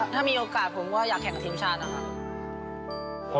ถ้ามีโอกาสผมก็อยากแข่งกับทีมชาตินะครับ